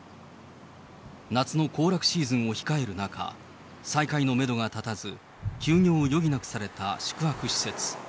夏の行楽シーズンを控える中、再開のメドが立たず、休業を余儀なくされた宿泊施設。